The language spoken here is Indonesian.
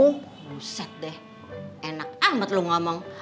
buset deh enak amat lu ngomong